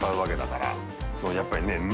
やっぱりね磴